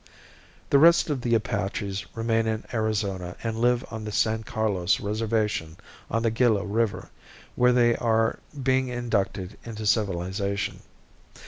The rest of the Apaches remain in Arizona and live on the San Carlos reservation on the Gila river where they are being inducted into civilization.